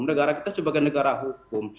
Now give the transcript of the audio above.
negara kita sebagai negara hukum